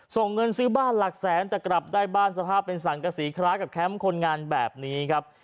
ส่งเงินซื้อบ้านหลักแสนแต่กลับได้บ้านสภาพเป็นสังกษีคล้ายกับแคมป์คนงานแบบนี้ครับ